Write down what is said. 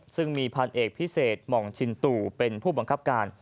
ซึ่งมีพันเอกพิเศษหม่องชินตู่เป็นผู้บังคับการ